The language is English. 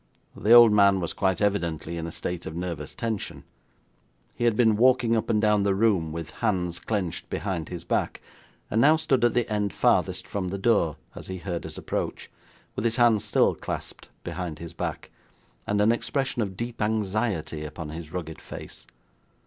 The old man was quite evidently in a state of nervous tension. He had been walking up and down the room with hands clenched behind his back, and now stood at the end farthest from the door as he heard us approach, with his hands still clasped behind his back, and an expression of deep anxiety upon his rugged face.